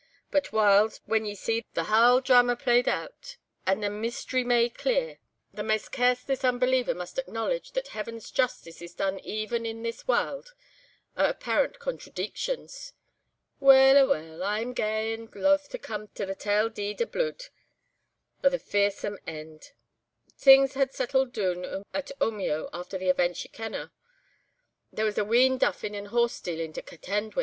But whiles, when ye see the haill draama played oot, and a meestery made clear, the maist careless unbeliever must acknowledge that Heaven's justice is done even in this warld o' appairent contradeections. Weel, aweel, I'm gey and loth to come to the tale deed o' bluid, o' the fearsome eend. Things had settled doon at Omeo after the events ye ken o'. There was a wheen duffing and horse stealing to contend wi'!